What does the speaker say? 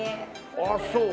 ああそう！